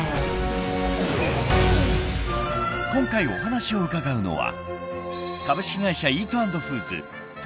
［今回お話を伺うのは］